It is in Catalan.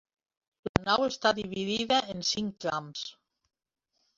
La nau està dividida en cinc trams.